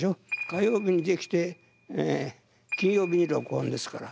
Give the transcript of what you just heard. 火曜日にできて金曜日に録音ですから。